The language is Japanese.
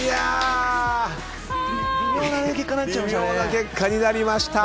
微妙な結果になりました。